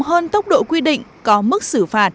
hơn tốc độ quy định có mức xử phạt